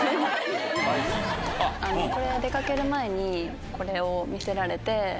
出掛ける前にこれを見せられて。